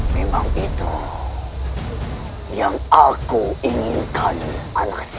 memang itu yang aku inginkan anak saya